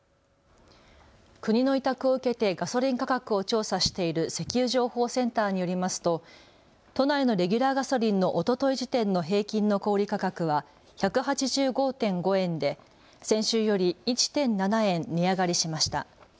国の委託を受けてガソリン価格を調査している石油情報センターによりますと都内のレギュラーガソリンのおととい時点の平均の小売価格は１８５．５円で先週より１．７円値上がりしました。